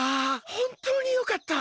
ほんとうによかった。